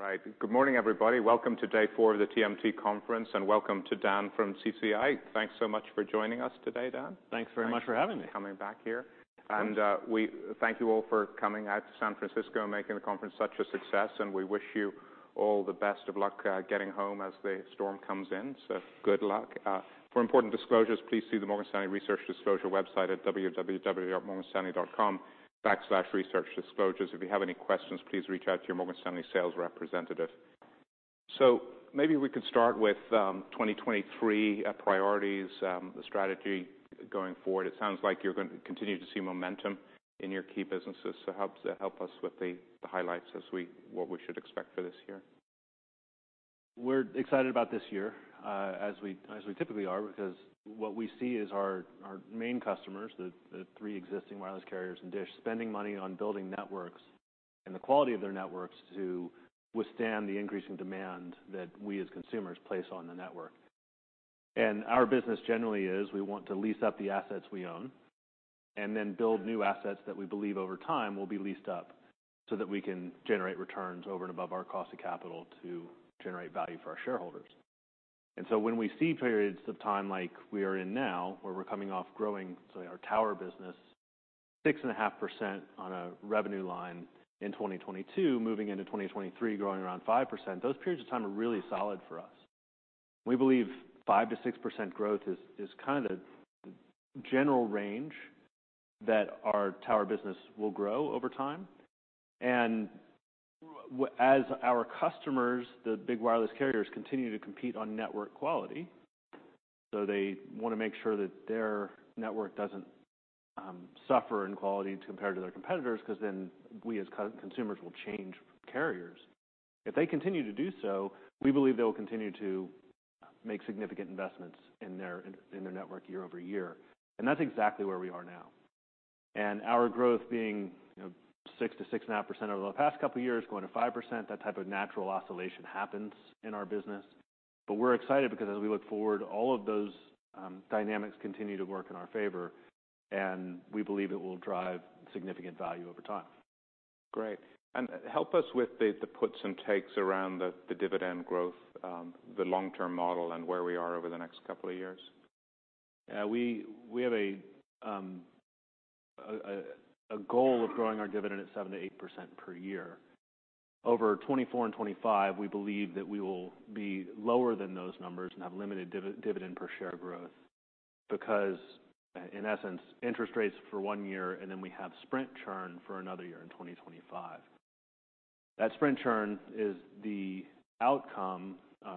All right. Good morning, everybody. Welcome to day four of the TMT conference, and welcome to Dan from CCI. Thanks so much for joining us today, Dan. Thanks very much for having me. Coming back here. We thank you all for coming out to San Francisco and making the conference such a success. We wish you all the best of luck getting home as the storm comes in. Good luck. For important disclosures, please see the Morgan Stanley Research Disclosure website at www.morganstanley.com\researchdisclosures. If you have any questions, please reach out to your Morgan Stanley sales representative. Maybe we could start with 2023 priorities, the strategy going forward. It sounds like you're gonna continue to see momentum in your key businesses. Help us with the highlights what we should expect for this year. We're excited about this year, as we typically are, because what we see is our main customers, the three existing wireless carriers and DISH, spending money on building networks and the quality of their networks to withstand the increasing demand that we, as consumers, place on the network. Our business generally is we want to lease up the assets we own and then build new assets that we believe over time will be leased up, so that we can generate returns over and above our cost of capital to generate value for our shareholders. When we see periods of time like we are in now, where we're coming off growing, say, our tower business 6.5% on a revenue line in 2022, moving into 2023, growing around 5%, those periods of time are really solid for us. We believe 5%-6% growth is kind of general range that our tower business will grow over time. As our customers, the big wireless carriers, continue to compete on network quality, so they wanna make sure that their network doesn't suffer in quality compared to their competitors, 'cause then we, as co-consumers, will change carriers. If they continue to do so, we believe they will continue to make significant investments in their network year-over-year. That's exactly where we are now. Our growth being, you know, 6% to 6.5% over the past couple of years, going to 5%, that type of natural oscillation happens in our business. We're excited because as we look forward, all of those dynamics continue to work in our favor, and we believe it will drive significant value over time. Great. Help us with the puts and takes around the dividend growth, the long-term model and where we are over the next couple of years. Yeah. We have a goal of growing our dividend at 7% to 8% per year. Over 2024 and 2025, we believe that we will be lower than those numbers and have limited dividend per share growth because, in essence, interest rates for 1 year, and then we have Sprint churn for another year in 2025. That Sprint churn is the outcome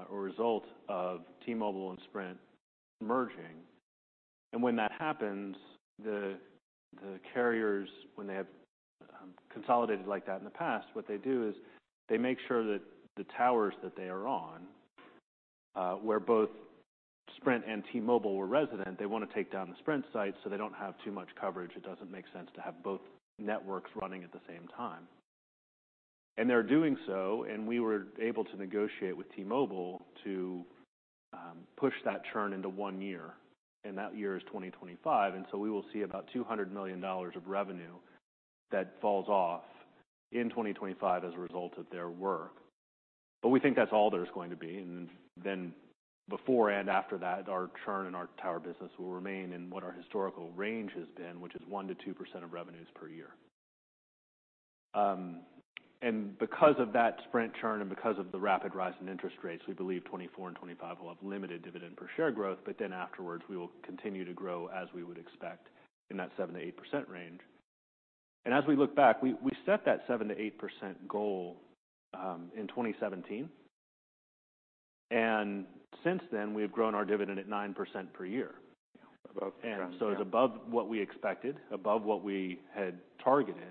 or result of T-Mobile and Sprint merging. When that happens, the carriers, when they have consolidated like that in the past, what they do is they make sure that the towers that they are on, where both Sprint and T-Mobile were resident, they wanna take down the Sprint site, so they don't have too much coverage. It doesn't make sense to have both networks running at the same time. They're doing so, we were able to negotiate with T-Mobile to push that churn into 1 year, and that year is 2025. We will see about $200 million of revenue that falls off in 2025 as a result of their work. But we think that's all there's going to be. Before and after that, our churn and our tower business will remain in what our historical range has been, which is 1%-2% of revenues per year. Because of that Sprint churn and because of the rapid rise in interest rates, we believe 2024 and 2025 will have limited dividend per share growth. Afterwards, we will continue to grow as we would expect in that 7%-8% range. As we look back, we set that 7% to 8% goal in 2017. Since then, we've grown our dividend at 9% per year. Above, yeah. It's above what we expected, above what we had targeted.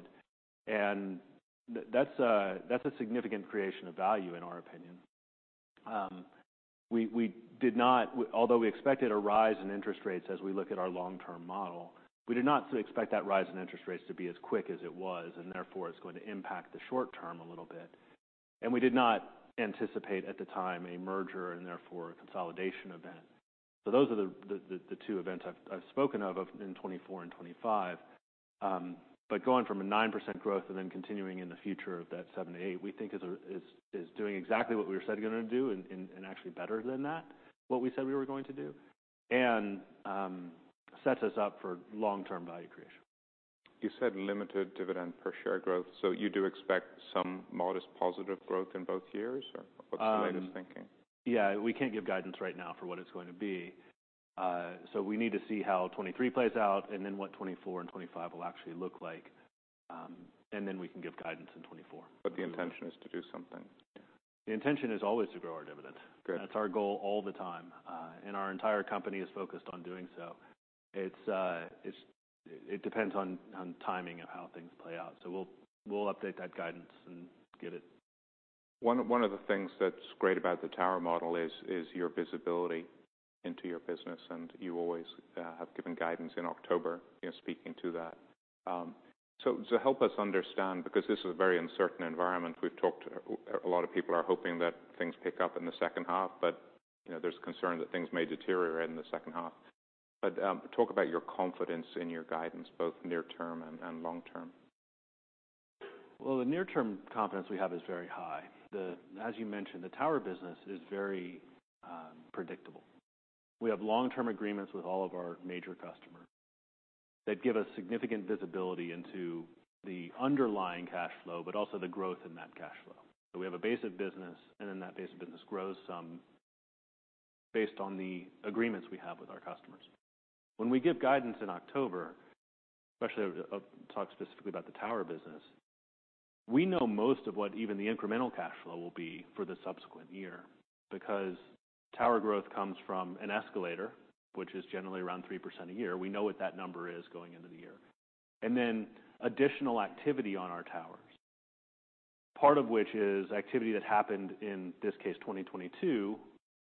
That's a significant creation of value in our opinion. We did not although we expected a rise in interest rates as we look at our long-term model, we did not expect that rise in interest rates to be as quick as it was, and therefore, it's going to impact the short term a little bit. We did not anticipate at the time a merger and therefore a consolidation event. Those are the two events I've spoken of in 2024 and 2025. Going from a 9% growth and then continuing in the future of that 7%-8%, we think is doing exactly what we said we're gonna do and actually better than that, what we said we were going to do. Sets us up for long-term value creation. You said limited dividend per share growth. You do expect some modest positive growth in both years or what's the latest thinking? Yeah, we can't give guidance right now for what it's going to be. We need to see how 2023 plays out and then what 2024 and 2025 will actually look like, and then we can give guidance in 2024. The intention is to do something. The intention is always to grow our dividend. Good. That's our goal all the time, and our entire company is focused on doing so. It depends on timing of how things play out. We'll update that guidance and get it. One of the things that's great about the tower model is your visibility into your business, and you always have given guidance in October, you know, speaking to that. Help us understand, because this is a very uncertain environment. We've talked, a lot of people are hoping that things pick up in the second half, but, you know, there's concern that things may deteriorate in the second half. Talk about your confidence in your guidance, both near term and long term. Well, the near term confidence we have is very high. As you mentioned, the tower business is very predictable. We have long-term agreements with all of our major customers that give us significant visibility into the underlying cash flow, but also the growth in that cash flow. We have a base of business, and then that base of business grows some based on the agreements we have with our customers. When we give guidance in October, especially, talk specifically about the tower business, we know most of what even the incremental cash flow will be for the subsequent year, because tower growth comes from an escalator, which is generally around 3% a year. We know what that number is going into the year. Additional activity on our towers, part of which is activity that happened in this case, 2022,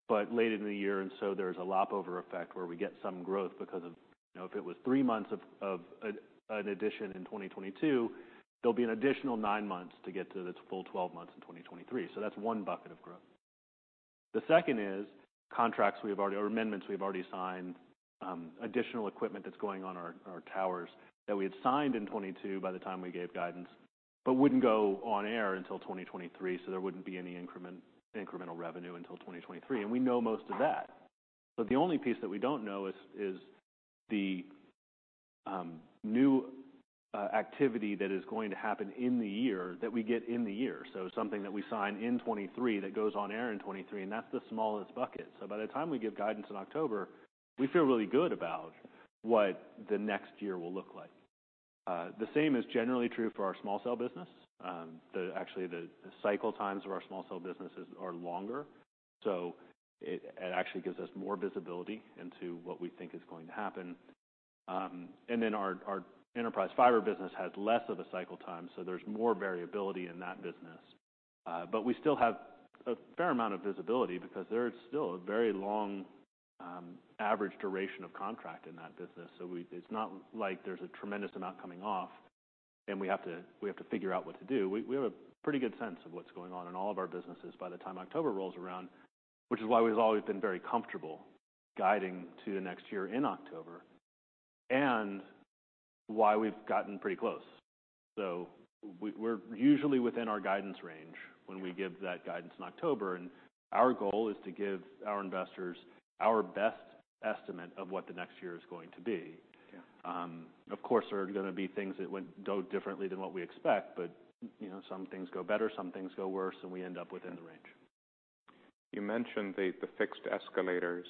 but later in the year, so there's a lap over effect where we get some growth because of, you know, if it was 3 months of an addition in 2022, there'll be an additional 9 months to get to its full 12 months in 2023. That's 1 bucket of growth. The second is contracts we've already or amendments we've already signed, additional equipment that's going on our towers that we had signed in 2022 by the time we gave guidance, but wouldn't go on air until 2023, so there wouldn't be any incremental revenue until 2023. We know most of that. The only piece that we don't know is the new activity that is going to happen in the year that we get in the year. Something that we sign in 2023 that goes on air in 2023, and that's the smallest bucket. By the time we give guidance in October, we feel really good about what the next year will look like. The same is generally true for our small cell business. actually, the cycle times of our small cell businesses are longer, so it actually gives us more visibility into what we think is going to happen. Our enterprise fiber business has less of a cycle time, so there's more variability in that business. We still have a fair amount of visibility because there is still a very long average duration of contract in that business. It's not like there's a tremendous amount coming off, and we have to figure out what to do. We have a pretty good sense of what's going on in all of our businesses by the time October rolls around, which is why we've always been very comfortable guiding to the next year in October and why we've gotten pretty close. We're usually within our guidance range when we give that guidance in October, and our goal is to give our investors our best estimate of what the next year is going to be. Yeah. Of course, there are gonna be things that go differently than what we expect, but, you know, some things go better, some things go worse, and we end up within the range. You mentioned the fixed escalators.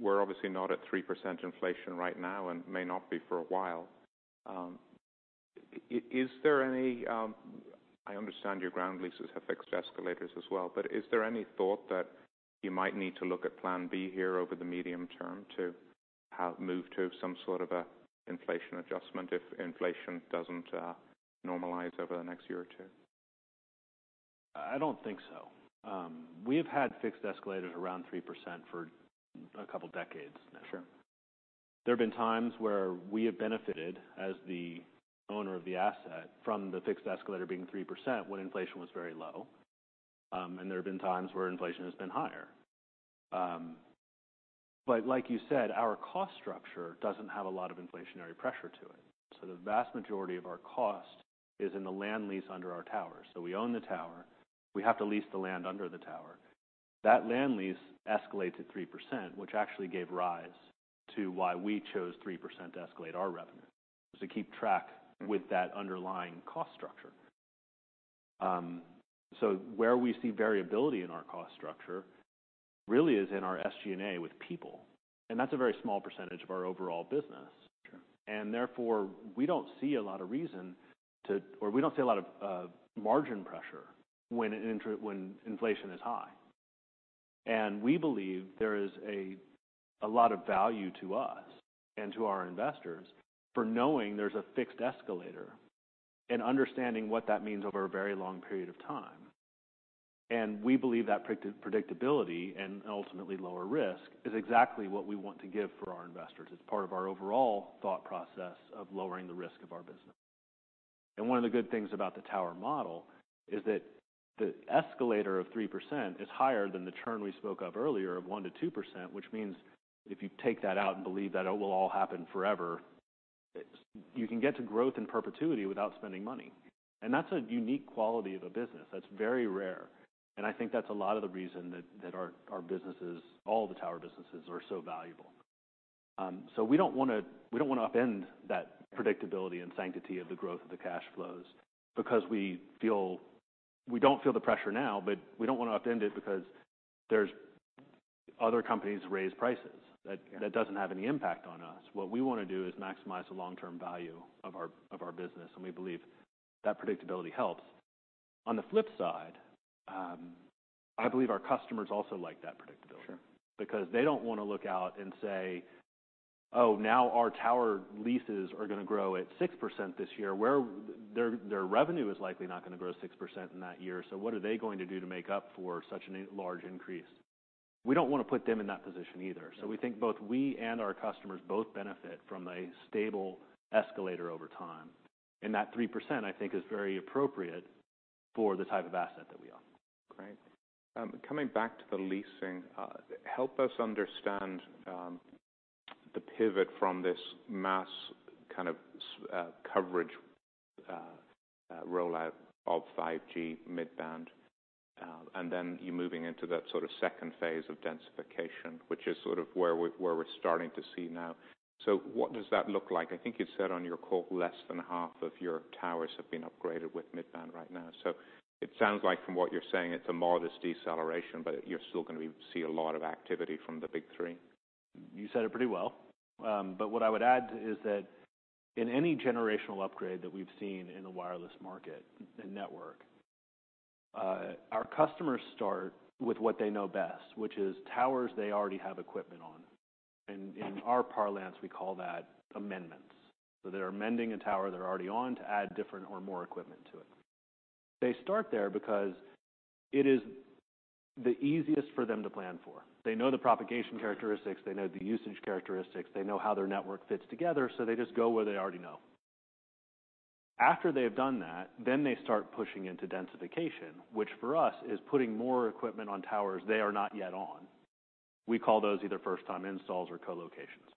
We're obviously not at 3% inflation right now and may not be for a while. I understand your ground leases have fixed escalators as well, but is there any thought that you might need to look at plan B here over the medium term to move to some sort of an inflation adjustment if inflation doesn't normalize over the next year or two? I don't think so. We have had fixed escalators around 3% for a couple decades now. Sure. There have been times where we have benefited, as the owner of the asset, from the fixed escalator being 3% when inflation was very low. There have been times where inflation has been higher. Like you said, our cost structure doesn't have a lot of inflationary pressure to it. The vast majority of our cost is in the land lease under our tower. We own the tower, we have to lease the land under the tower. That land lease escalates at 3%, which actually gave rise to why we chose 3% to escalate our revenue, was to keep track with that underlying cost structure. Where we see variability in our cost structure really is in our SG&A with people, and that's a very small percentage of our overall business. Sure. Therefore, we don't see a lot of reason or we don't see a lot of margin pressure when inflation is high. We believe there is a lot of value to us and to our investors for knowing there's a fixed escalator and understanding what that means over a very long period of time. We believe that predictability and ultimately lower risk is exactly what we want to give for our investors. It's part of our overall thought process of lowering the risk of our business. One of the good things about the tower model is that the escalator of 3% is higher than the churn we spoke of earlier of 1%-2%, which means if you take that out and believe that it will all happen forever, you can get to growth in perpetuity without spending money. That's a unique quality of a business. That's very rare, and I think that's a lot of the reason that our businesses, all the tower businesses are so valuable. We don't wanna, we don't wanna upend that predictability and sanctity of the growth of the cash flows because we don't feel the pressure now, but we don't wanna upend it because there's other companies raise prices. That doesn't have any impact on us. What we wanna do is maximize the long-term value of our business, and we believe that predictability helps. On the flip side, I believe our customers also like that predictability. Sure. They don't wanna look out and say, "Oh, now our tower leases are gonna grow at 6% this year." Where their revenue is likely not gonna grow 6% in that year, so what are they going to do to make up for such an large increase? We don't wanna put them in that position either. Yeah. We think both we and our customers both benefit from a stable escalator over time. That 3%, I think is very appropriate for the type of asset that we own. Great. Coming back to the leasing, help us understand the pivot from this mass kind of coverage rollout of 5G mid-band, and then you moving into that sort of second phase of densification, which is sort of where we're starting to see now. What does that look like? I think you said on your call, less than half of your towers have been upgraded with mid-band right now. It sounds like from what you're saying, it's a modest deceleration, but you're still gonna see a lot of activity from the Big Three. You said it pretty well. What I would add is that in any generational upgrade that we've seen in the wireless market and network, our customers start with what they know best, which is towers they already have equipment on. In our parlance, we call that amendments. They're amending a tower they're already on to add different or more equipment to it. They start there because it is the easiest for them to plan for. They know the propagation characteristics, they know the usage characteristics, they know how their network fits together, so they just go where they already know. After they have done that, they start pushing into densification, which for us is putting more equipment on towers they are not yet on. We call those either first-time installs or co-locations.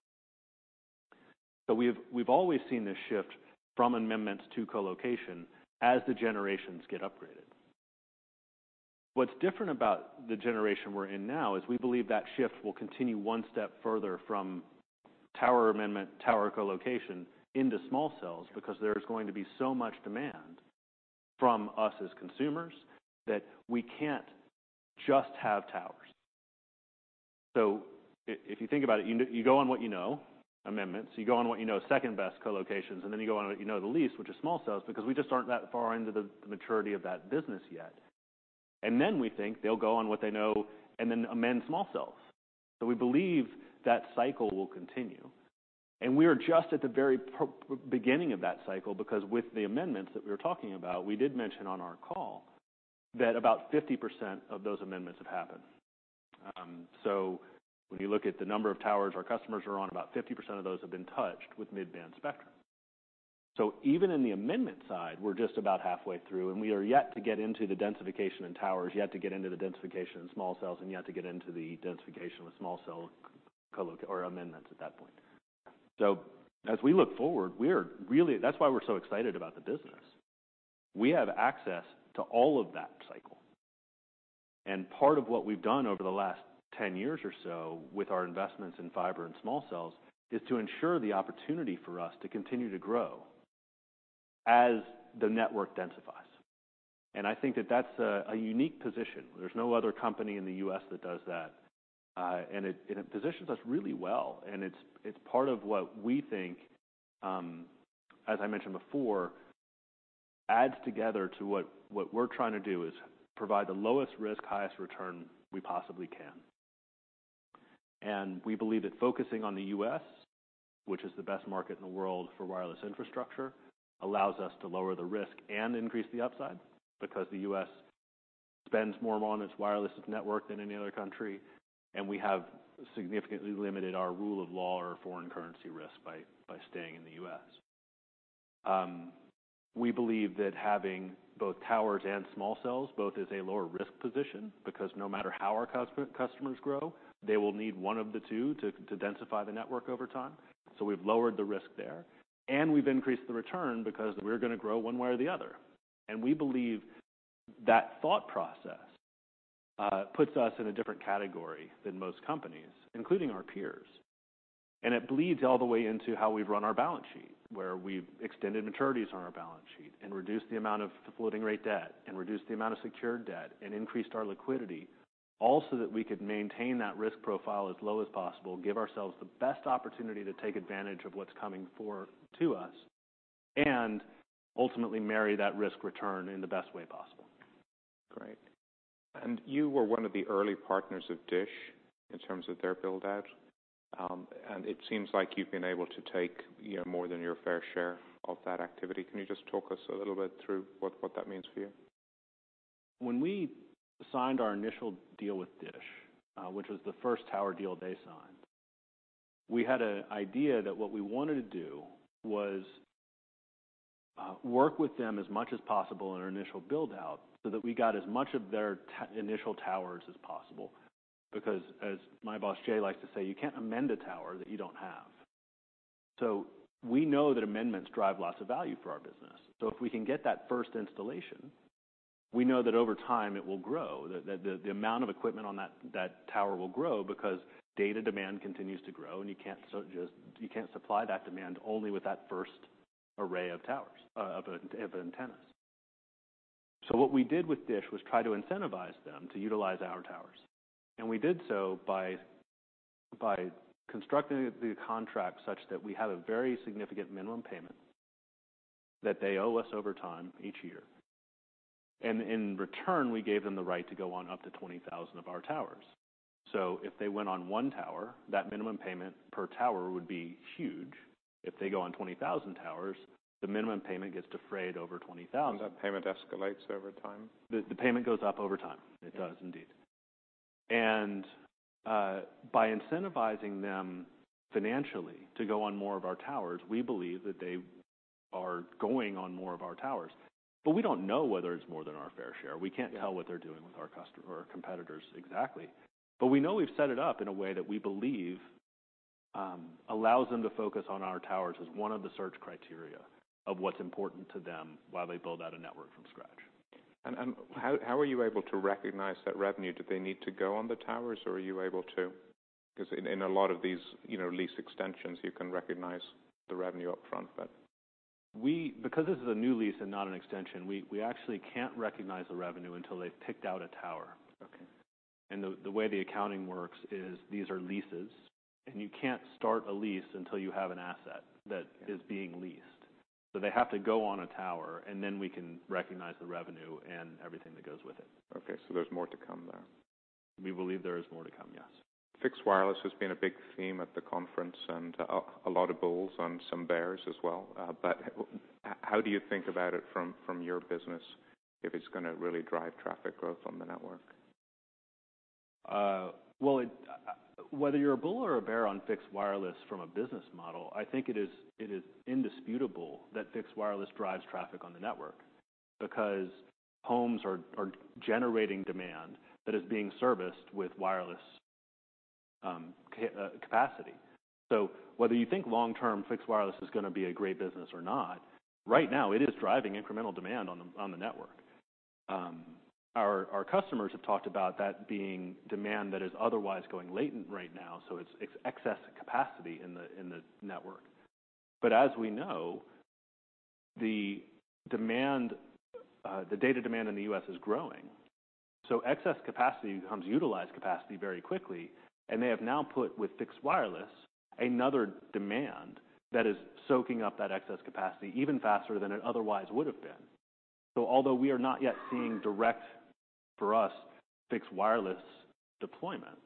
We've always seen this shift from amendments to co-location as the generations get upgraded. What's different about the generation we're in now is we believe that shift will continue one step further from tower amendment, tower co-location into small cells, because there is going to be so much demand from us as consumers that we can't just have towers. If you think about it, you go on what you know, amendments, you go on what you know is second-best co-locations, and then you go on what you know the least, which is small cells, because we just aren't that far into the maturity of that business yet. We think they'll go on what they know and then amend small cells. We believe that cycle will continue, and we are just at the very beginning of that cycle because with the amendments that we were talking about, we did mention on our call that about 50% of those amendments have happened. When you look at the number of towers our customers are on, about 50% of those have been touched with mid-band spectrum. Even in the amendment side, we're just about halfway through, and we are yet to get into the densification and towers, yet to get into the densification of small cells, and yet to get into the densification with small cell or amendments at that point. As we look forward, That's why we're so excited about the business. We have access to all of that cycle, part of what we've done over the last 10 years or so with our investments in fiber and small cells is to ensure the opportunity for us to continue to grow as the network densifies. I think that that's a unique position. There's no other company in the US that does that. It positions us really well, and it's part of what we think, as I mentioned before, adds together to what we're trying to do, is provide the lowest risk, highest return we possibly can. We believe that focusing on the U.S., which is the best market in the world for wireless infrastructure, allows us to lower the risk and increase the upside because the U.S. spends more on its wireless network than any other country, and we have significantly limited our rule of law or foreign currency risk by staying in the U.S. We believe that having both towers and small cells both is a lower risk position, because no matter how our customers grow, they will need one of the two to densify the network over time. We've lowered the risk there, and we've increased the return because we're gonna grow one way or the other. We believe that thought process puts us in a different category than most companies, including our peers. It bleeds all the way into how we've run our balance sheet, where we've extended maturities on our balance sheet and reduced the amount of floating rate debt and reduced the amount of secured debt and increased our liquidity, all so that we could maintain that risk profile as low as possible, give ourselves the best opportunity to take advantage of what's coming to us, and ultimately marry that risk return in the best way possible. Great. You were one of the early partners of DISH in terms of their build-out. It seems like you've been able to take, you know, more than your fair share of that activity. Can you just talk us a little bit through what that means for you? When we signed our initial deal with DISH, which was the first tower deal they signed, we had a idea that what we wanted to do was work with them as much as possible in our initial build-out, so that we got as much of their initial towers as possible. As my boss, Jay, likes to say, "You can't amend a tower that you don't have." We know that amendments drive lots of value for our business. If we can get that first installation, we know that over time it will grow. The amount of equipment on that tower will grow because data demand continues to grow, and you can't supply that demand only with that first array of towers. Of antennas. What we did with DISH was try to incentivize them to utilize our towers, and we did so by constructing the contract such that we have a very significant minimum payment that they owe us over time each year. In return, we gave them the right to go on up to 20,000 of our towers. If they went on one tower, that minimum payment per tower would be huge. If they go on 20,000 towers, the minimum payment gets defrayed over 20,000. That payment escalates over time? The payment goes up over time. It does indeed. By incentivizing them financially to go on more of our towers, we believe that they are going on more of our towers. We don't know whether it's more than our fair share. Yeah. We can't tell what they're doing with our customer or competitors exactly. We know we've set it up in a way that we believe allows them to focus on our towers as one of the search criteria of what's important to them while they build out a network from scratch. How are you able to recognize that revenue? Do they need to go on the towers or are you able to? Because in a lot of these, you know, lease extensions, you can recognize the revenue up front. Because this is a new lease and not an extension, we actually can't recognize the revenue until they've picked out a tower. Okay. The way the accounting works is these are leases, and you can't start a lease until you have an asset that is being leased. They have to go on a tower, and then we can recognize the revenue and everything that goes with it. Okay. There's more to come there. We believe there is more to come, yes. Fixed wireless has been a big theme at the conference and a lot of bulls and some bears as well. How do you think about it from your business if it's gonna really drive traffic growth on the network? Well, Whether you're a bull or a bear on fixed wireless from a business model, I think it is indisputable that fixed wireless drives traffic on the network because homes are generating demand that is being serviced with wireless capacity. Whether you think long-term fixed wireless is gonna be a great business or not, right now it is driving incremental demand on the network. Our customers have talked about that being demand that is otherwise going latent right now, so it's excess capacity in the network. As we know, the demand, the data demand in the U.S. is growing. Excess capacity becomes utilized capacity very quickly, and they have now put with fixed wireless another demand that is soaking up that excess capacity even faster than it otherwise would have been. Although we are not yet seeing direct for us fixed wireless deployments,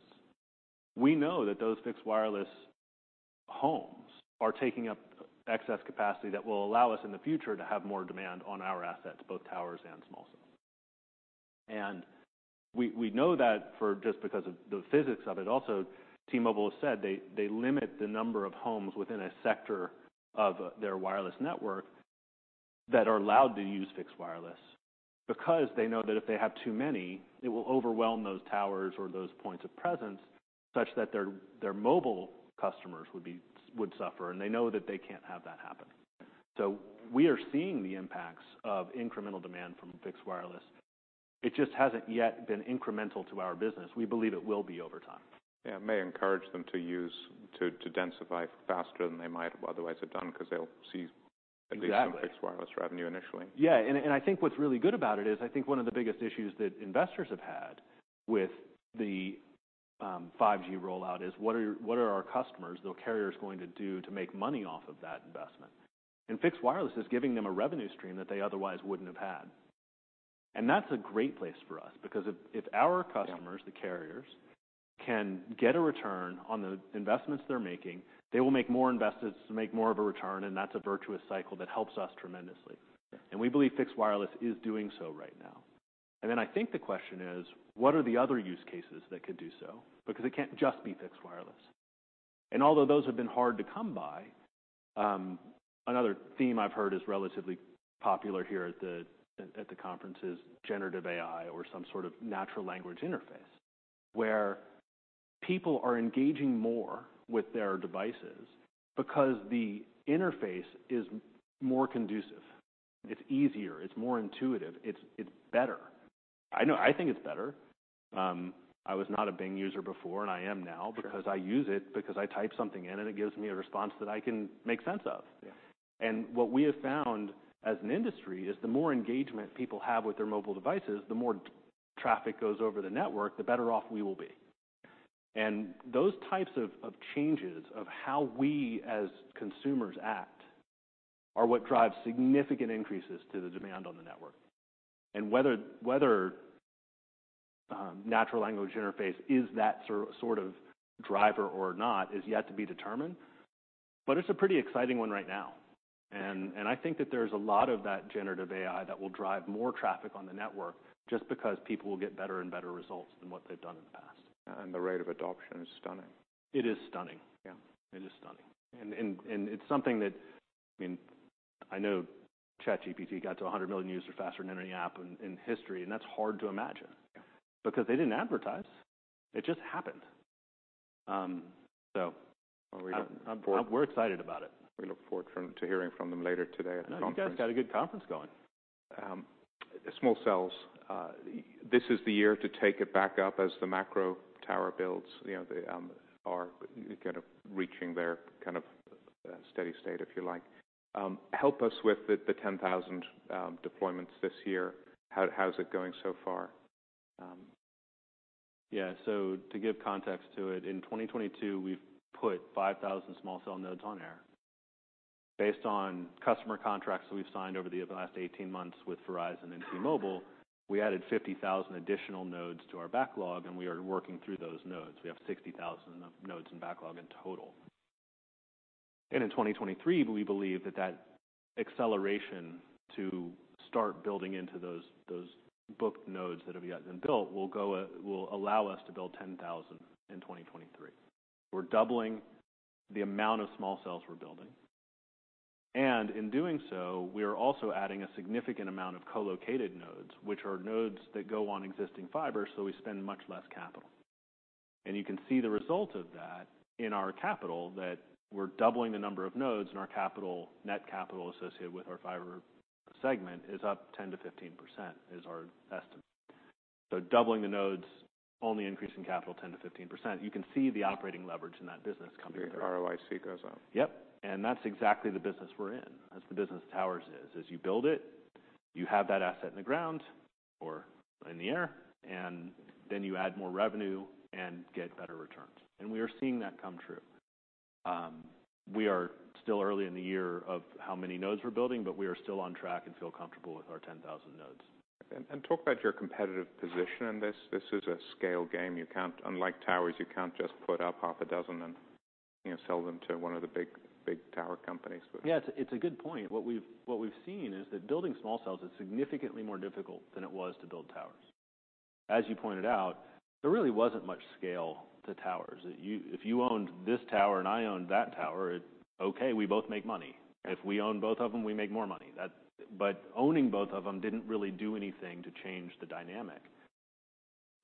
we know that those fixed wireless homes are taking up excess capacity that will allow us in the future to have more demand on our assets, both towers and small cells. We know that for just because of the physics of it. Also, T-Mobile has said they limit the number of homes within a sector of their wireless network that are allowed to use fixed wireless because they know that if they have too many, it will overwhelm those towers or those points of presence such that their mobile customers would suffer, and they know that they can't have that happen. We are seeing the impacts of incremental demand from fixed wireless. It just hasn't yet been incremental to our business. We believe it will be over time. Yeah. It may encourage them to use to densify faster than they might otherwise have done because they'll see- Exactly... at least some fixed wireless revenue initially. Yeah. I think what's really good about it is, I think one of the biggest issues that investors have had with the 5G rollout is what are our customers, the carriers, going to do to make money off of that investment? Fixed wireless is giving them a revenue stream that they otherwise wouldn't have had. That's a great place for us because if our customers... Yeah... the carriers, can get a return on the investments they're making, they will make more investments to make more of a return. That's a virtuous cycle that helps us tremendously. Yeah. We believe fixed wireless is doing so right now. Then I think the question is: What are the other use cases that could do so? Because it can't just be fixed wireless. Although those have been hard to come by, another theme I've heard is relatively popular here at the conference is generative AI or some sort of natural language interface, where people are engaging more with their devices because the interface is more conducive. It's easier. It's more intuitive. It's better. I know I think it's better. I was not a Bing user before, and I am now. Sure because I use it because I type something in and it gives me a response that I can make sense of. Yeah. What we have found as an industry is the more engagement people have with their mobile devices, the more traffic goes over the network, the better off we will be. Those types of changes of how we as consumers act are what drives significant increases to the demand on the network. Whether natural language interface is that sort of driver or not is yet to be determined, but it's a pretty exciting one right now. I think that there's a lot of that generative AI that will drive more traffic on the network just because people will get better and better results than what they've done in the past. The rate of adoption is stunning. It is stunning. Yeah. It is stunning. It's something that, I mean, I know ChatGPT got to 100 million users faster than any app in history, and that's hard to imagine. Yeah. They didn't advertise. It just happened. Well, we. We're excited about it. We look forward to hearing from them later today at the conference. You guys got a good conference going. Small cells, this is the year to take it back up as the macro tower builds, you know, they are kind of reaching their kind of steady state, if you like. Help us with the 10,000 deployments this year. How is it going so far? Yeah. To give context to it, in 2022, we've put 5,000 small cell nodes on air. Based on customer contracts that we've signed over the last 18 months with Verizon and T-Mobile, we added 50,000 additional nodes to our backlog. We are working through those nodes. We have 60,000 of nodes in backlog in total. In 2023, we believe that that acceleration to start building into those booked nodes that have yet been built will allow us to build 10,000 in 2023. We're doubling the amount of small cells we're building. In doing so, we are also adding a significant amount of co-located nodes, which are nodes that go on existing fiber, so we spend much less capital. You can see the result of that in our capital, that we're doubling the number of nodes and our capital, net capital associated with our fiber segment is up 10%-15% is our estimate. Doubling the nodes, only increasing capital 10%-15%, you can see the operating leverage in that business coming through. ROIC goes up. Yep, that's exactly the business we're in. That's the business towers is. As you build it, you have that asset in the ground or in the air, and then you add more revenue and get better returns. We are seeing that come true. We are still early in the year of how many nodes we're building, but we are still on track and feel comfortable with our 10,000 nodes. Talk about your competitive position in this. This is a scale game. You can't unlike towers, you can't just put up half a dozen and, you know, sell them to one of the big tower companies with... Yeah, it's a good point. What we've seen is that building small cells is significantly more difficult than it was to build towers. As you pointed out, there really wasn't much scale to towers. If you owned this tower and I owned that tower, okay, we both make money. If we own both of them, we make more money. Owning both of them didn't really do anything to change the dynamic.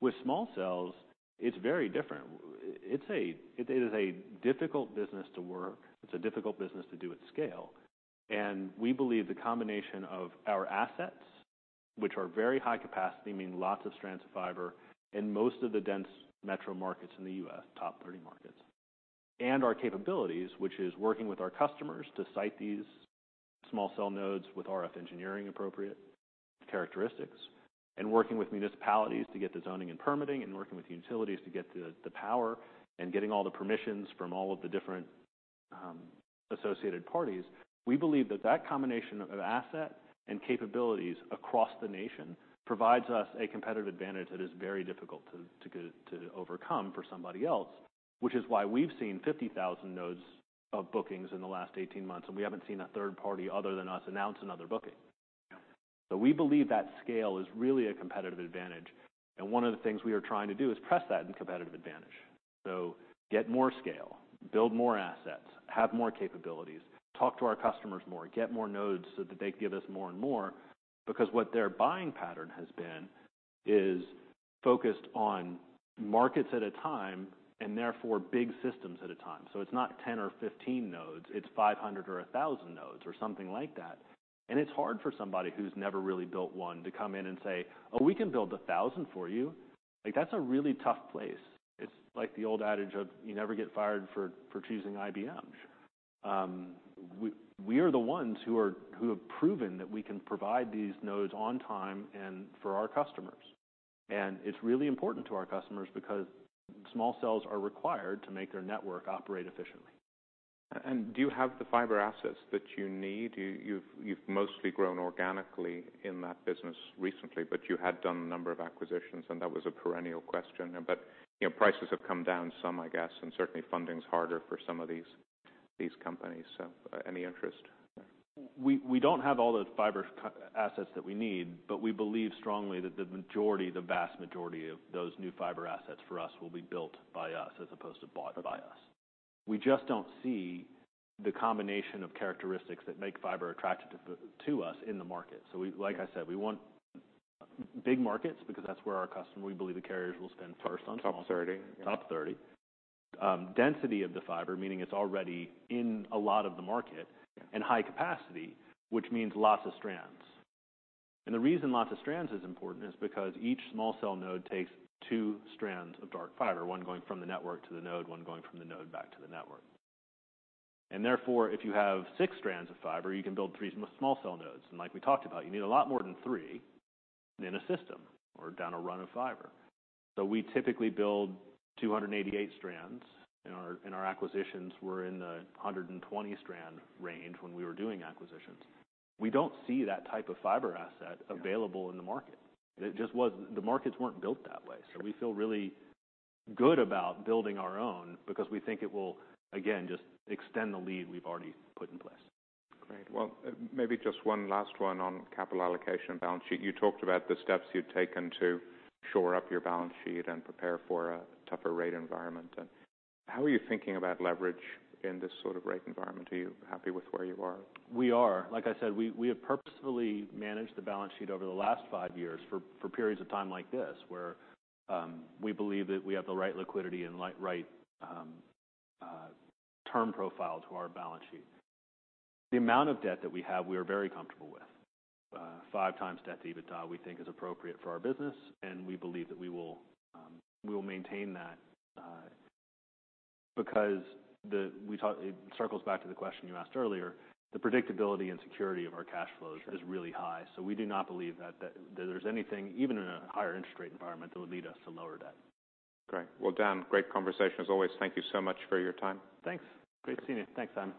With small cells, it's very different. It is a difficult business to work. It's a difficult business to do at scale. We believe the combination of our assets, which are very high capacity, meaning lots of strands of fiber in most of the dense metro markets in the U.S., top 30 markets. Our capabilities, which is working with our customers to site these small cell nodes with RF engineering appropriate characteristics, and working with municipalities to get the zoning and permitting, and working with utilities to get the power, and getting all the permissions from all of the different associated parties. We believe that combination of asset and capabilities across the nation provides us a competitive advantage that is very difficult to overcome for somebody else, which is why we've seen 50,000 nodes of bookings in the last 18 months, and we haven't seen a third party other than us announce another booking. We believe that scale is really a competitive advantage. One of the things we are trying to do is press that in competitive advantage. Get more scale, build more assets, have more capabilities, talk to our customers more, get more nodes so that they give us more and more. Because what their buying pattern has been is focused on markets at a time, and therefore big systems at a time. It's not 10 or 15 nodes, it's 500 or 1,000 nodes or something like that. And it's hard for somebody who's never really built one to come in and say, "Oh, we can build a thousand for you." Like, that's a really tough place. It's like the old adage of you never get fired for choosing IBM. We are the ones who have proven that we can provide these nodes on time and for our customers. It's really important to our customers because small cells are required to make their network operate efficiently. Do you have the fiber assets that you need? You've mostly grown organically in that business recently, but you had done a number of acquisitions, and that was a perennial question. You know, prices have come down some, I guess, and certainly funding's harder for some of these companies. Any interest there? We don't have all the fiber assets that we need. We believe strongly that the majority, the vast majority of those new fiber assets for us will be built by us as opposed to bought by us. We just don't see the combination of characteristics that make fiber attractive to us in the market. We, like I said, we want big markets because that's where our custom we believe the carriers will spend first on. Top 30. Top 30. density of the fiber, meaning it's already in a lot of the market. Yeah. High capacity, which means lots of strands. The reason lots of strands is important is because each small cell node takes 2 strands of dark fiber, one going from the network to the node, one going from the node back to the network. Therefore, if you have 6 strands of fiber, you can build 3 small cell nodes. Like we talked about, you need a lot more than 3 in a system or down a run of fiber. We typically build 288 strands, and our acquisitions were in the 120 strand range when we were doing acquisitions. We don't see that type of fiber asset- Yeah. available in the market. The markets weren't built that way. We feel really good about building our own because we think it will, again, just extend the lead we've already put in place. Great. Well, maybe just one last one on capital allocation balance sheet. You talked about the steps you'd taken to shore up your balance sheet and prepare for a tougher rate environment. How are you thinking about leverage in this sort of rate environment? Are you happy with where you are? We are. Like I said, we have purposefully managed the balance sheet over the last 5 years for periods of time like this, where we believe that we have the right liquidity and right term profile to our balance sheet. The amount of debt that we have, we are very comfortable with. Five times debt to EBITDA, we think is appropriate for our business, and we believe that we will maintain that because it circles back to the question you asked earlier. The predictability and security of our cash flows. Sure. Is really high. We do not believe that there's anything, even in a higher interest rate environment, that would lead us to lower debt. Great. Well, Dan, great conversation as always. Thank you so much for your time. Thanks. Great seeing you. Thanks, Simon.